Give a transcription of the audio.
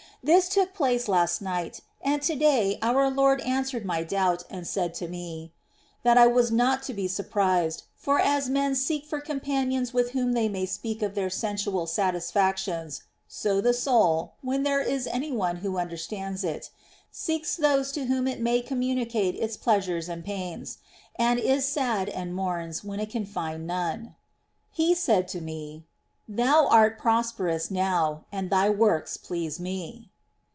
This took place last night ; and to day our Lord answered my doubt, and said to me " that I was not to be surprised; for as men seek for companions with whom they may speak of their sensual satisfactions, so the soul — when there is any one who understands it — seeks those to whom it may communicate its pleasures and its pains, and is sad and mourns when it can find none." He said to me: "Thou art prosperous now, and thy w^orks please Me."